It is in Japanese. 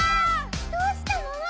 どうしたの！？